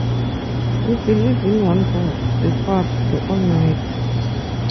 We believe in one God, the Father, the Almighty